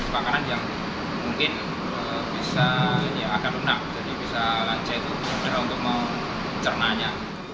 makanan yang mungkin bisa akan benar jadi bisa lanjut untuk mau cernanya